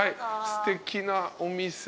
すてきなお店。